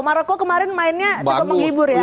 maroko kemarin mainnya cukup menghibur ya